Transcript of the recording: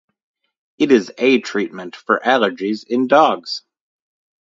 It is a treatment for allergies in dogs.